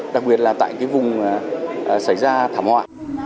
đặc biệt là tại vùng xảy ra thảm họa